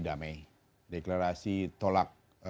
dameh deklarasi tolak